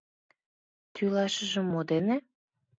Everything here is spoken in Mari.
Тӱлашыже мо дене?